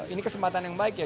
ini kesempatan yang baik ya